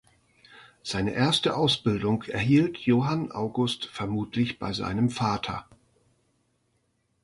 Seine erste Ausbildung erhielt Johann August vermutlich bei seinem Vater.